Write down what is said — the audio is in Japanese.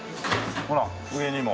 ほら上にも。